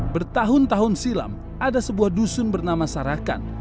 bertahun tahun silam ada sebuah dusun bernama sarakan